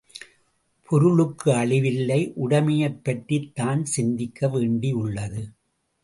பொருளுக்கு அழிவு இல்லை உடைமையைப் பற்றித் தான் சிந்திக்க வேண்டியுள்ளது.